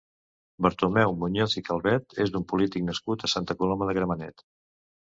Bartomeu Muñoz i Calvet és un polític nascut a Santa Coloma de Gramenet.